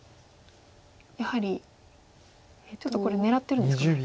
やはりちょっとこれ狙ってるんですかね。